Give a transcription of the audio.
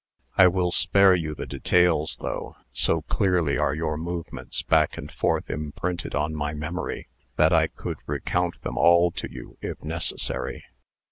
I will spare you the details, though, so clearly are your movements back and forth imprinted on my memory, that I could recount them all to you, if necessary.